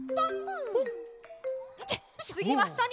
つぎはしたに！